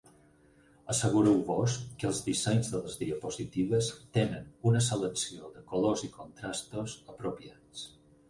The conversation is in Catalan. Assegureu-vos que els dissenys de les diapositives tenen una selecció de colors i contrastos apropiats.